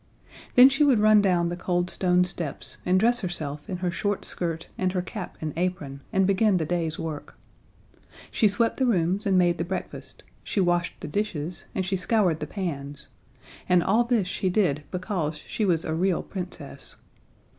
Then she would run down the cold stone steps and dress herself in her short skirt and her cap and apron, and begin the day's work. She swept the rooms and made the breakfast, she washed the dishes and she scoured the pans, and all this she did because she was a real Princess.